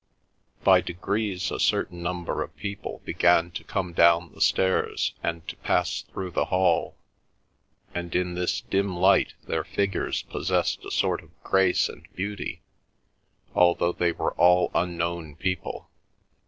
By degrees a certain number of people began to come down the stairs and to pass through the hall, and in this dim light their figures possessed a sort of grace and beauty, although they were all unknown people.